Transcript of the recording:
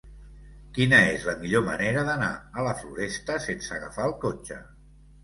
Quina és la millor manera d'anar a la Floresta sense agafar el cotxe?